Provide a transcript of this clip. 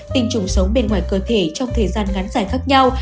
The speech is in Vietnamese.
tinh trùng sống bên ngoài cơ thể trong thời gian ngắn giải khác nhau